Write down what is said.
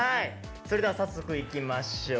それでは早速いきましょう。